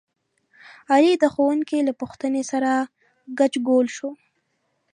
علي د ښوونکي له پوښتنې سره ګچ ګول شو.